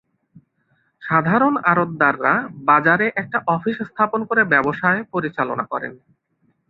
সাধারণ আড়তদাররা বাজারে একটা অফিস স্থাপন করে ব্যবসায় পরিচালনা করেন।